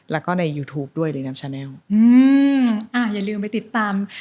แล้วก็ในยูทูปด้วยในน้ำชาแนลอืมอ่าอย่าลืมไปติดตาม